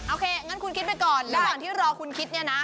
โอเคคุณคิดไปก่อนแล้วที่รอคุณคิดนะ